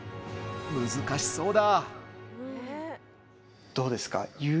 難しそうだ！